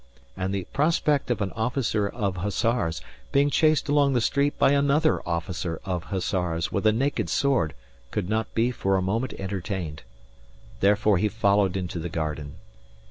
And the prospect of an officer of hussars being chased along the street by another officer of hussars with a naked sword could not be for a moment entertained. Therefore he followed into the garden.